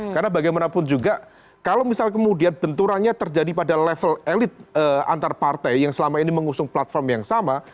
karena bagaimanapun juga kalau misalnya kemudian benturannya terjadi pada level elit antar partai yang selama ini mengusung platform yang sama